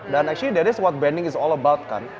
dan sebenarnya itu yang branding itu semua tentang kan